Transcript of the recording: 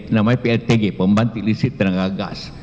namanya pltg pembangkit listrik tenaga gas